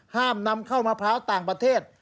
ห้ามนำเข้ามะพร้าวต่างประเทศ